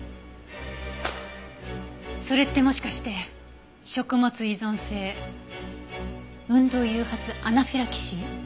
それってもしかして食物依存性運動誘発アナフィラキシー？